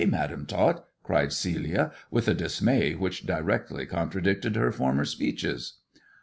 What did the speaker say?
Madam To cried Celia, with a dismay which directly contradicted 1 former speeches.